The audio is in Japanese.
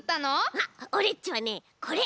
あっオレっちはねこれ！